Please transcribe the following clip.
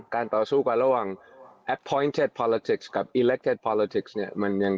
การต่อสู้กันระหว่าง